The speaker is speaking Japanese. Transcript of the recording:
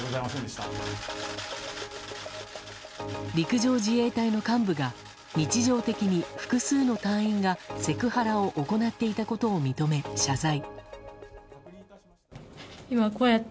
陸上自衛隊の幹部が日常的に複数の隊員がセクハラを行っていたことを認め謝罪。